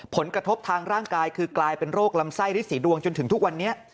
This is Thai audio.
ผลกระทบทางร่างกายคือกลายเป็นโรคลำไส้ฤทธีดวงจนถึงทุกวันนี้